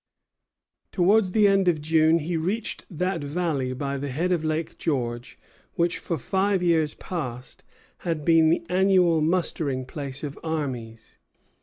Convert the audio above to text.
Towards the end of June he reached that valley by the head of Lake George which for five years past had been the annual mustering place of armies.